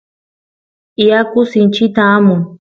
yaku sinchita amun